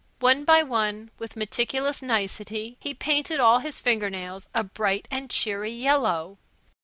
One by one, with meticulous nicety, he painted all his finger nails a bright and cheery yellow.